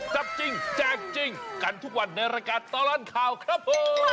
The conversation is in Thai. จับจริงแจกจริงกันทุกวันในรายการตลอดข่าวครับผม